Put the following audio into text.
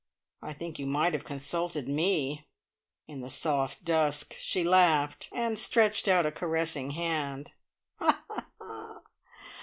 I think you might have consulted me!" In the soft dusk she laughed, and stretched out a caressing hand.